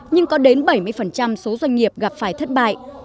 nhưng có đến bảy mươi số doanh nghiệp gặp phải thất bại